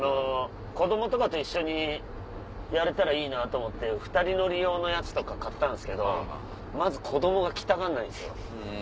子供とかと一緒にやれたらいいなと思って２人乗り用のやつとか買ったんですけどまず子供が来たがんないんですよ。